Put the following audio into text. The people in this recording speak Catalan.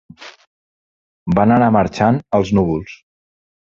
Van anar marxant els núvols.